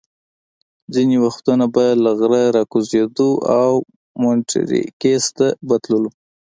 ځینې وختونه به له غره را کوزېدو او مونیټریکس ته به تللو.